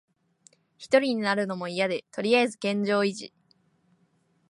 ひとりになるのもいやで、とりあえず現状維持。